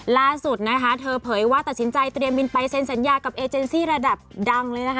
ล่าสุดนะคะเธอเผยว่าตัดสินใจเตรียมบินไปเซ็นสัญญากับเอเจนซี่ระดับดังเลยนะคะ